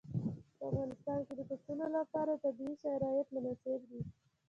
په افغانستان کې د پسونو لپاره طبیعي شرایط مناسب دي.